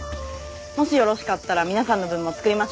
もしよろしかったら皆さんの分も作りましょうか？